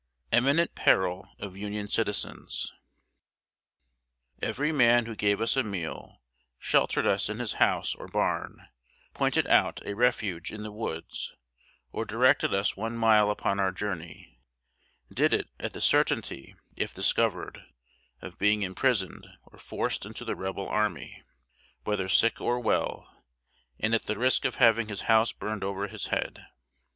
[Sidenote: IMMINENT PERIL OF UNION CITIZENS.] Every man who gave us a meal, sheltered us in his house or barn, pointed out a refuge in the woods, or directed us one mile upon our journey, did it at the certainty, if discovered, of being imprisoned, or forced into the Rebel army, whether sick or well, and at the risk of having his house burned over his head.